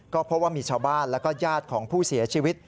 ก็พบว่ามีชาวบ้านแล้วก็ญาติของผู้เสียชีวิต